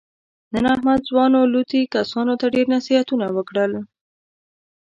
نن احمد ځوانو لوطي کسانو ته ډېر نصیحتونه وکړل.